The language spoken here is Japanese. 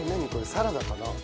サラダかな？